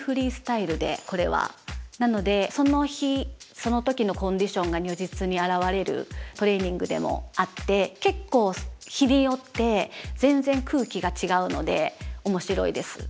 なのでその日その時のコンディションが如実に表れるトレーニングでもあって結構日によって全然空気が違うので面白いです。